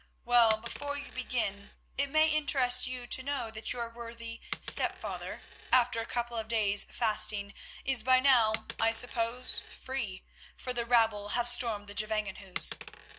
Well, before you begin, it may interest you to know that your worthy stepfather, after a couple of days' fasting, is by now, I suppose, free, for the rabble have stormed the Gevangenhuis.